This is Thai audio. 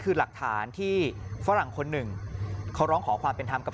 คือหลักฐานที่ฝรั่งคนหนึ่งเขาร้องขอความเป็นธรรมกับ